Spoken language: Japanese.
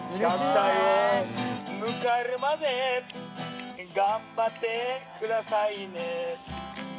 １００ 歳を迎えるまで）頑張ってくださいね）